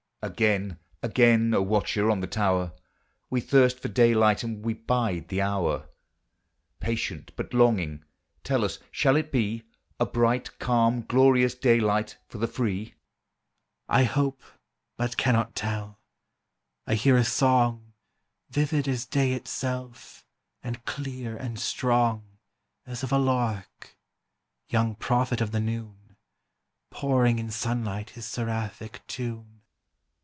Again, again, O watcher on the tower! We thirst for daylight, and we bide the hour, Patient, but longing. Tell us, shall it be A bright, calm, glorious daylight for the free? "I hope, but cannot tell; I hear a song, Vivid as day itself, and clear and strong, As of a lark young prophet of the noon Pouring in sunlight his seraphic tune."